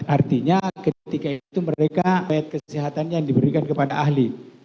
artinya ketika itu mereka ayat kesehatannya diberikan kepada ahli